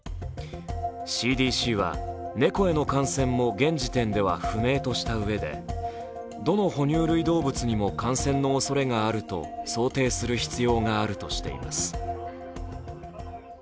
ＣＤＣは猫への感染も現時点では不明としたうえでどの哺乳類動物にも感染のおそれがあると想定する必要があるとしています。